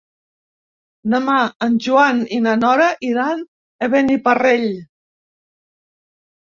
Demà en Joan i na Nora iran a Beniparrell.